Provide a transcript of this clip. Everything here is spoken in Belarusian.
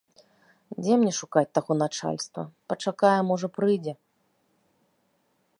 Дзе мне шукаць таго начальства, пачакаю, можа, прыйдзе.